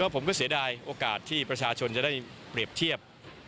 ผมก็เสียดายโอกาสที่ประชาชนจะได้เปรียบเทียบ